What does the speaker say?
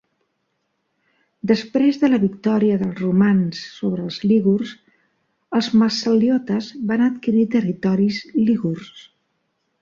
Després de la victòria dels romans sobre els lígurs, els massaliotes van adquirir territoris lígurs.